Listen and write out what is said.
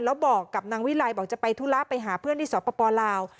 แล้วบอกกับนางวิลัยบอกจะไปธุระไปหาเพื่อนที่สปลาว